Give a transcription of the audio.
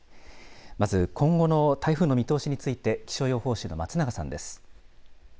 まず今後の台風の見通しについて気象予報士の松永さんです。